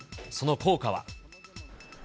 その効果は。